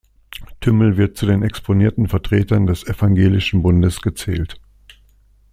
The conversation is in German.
Thümmel wird zu den exponierten Vertretern des Evangelischen Bundes gezählt.